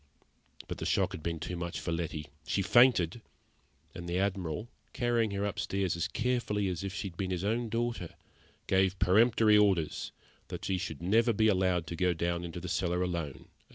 But the shock had been too much for Letty; she fainted, and the Admiral, carrying her upstairs as carefully as if she had been his own daughter, gave peremptory orders that she should never again be allowed to go into the cellar alone.